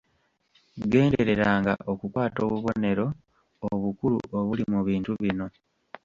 Gendereranga okukwata obubonero obukulu obuli mu bintu bino.